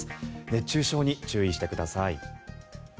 熱中症に注意してください。